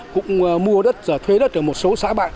cũng mua đất thuế đất ở một số xã bạn